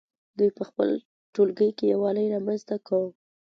دوی په خپل ټولګي کې یووالی رامنځته کړ.